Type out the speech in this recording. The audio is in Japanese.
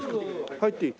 入っていい？